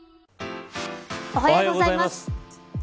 おはようございます。